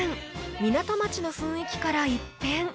港町の雰囲気から一変。